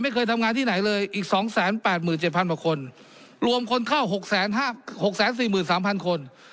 เคยทำงานที่ไหนเลยอีก๒๘๗๐๐กว่าคนรวมคนเข้า๖๔๓๐๐คน